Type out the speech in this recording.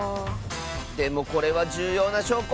でもこれはじゅうようなしょうこ！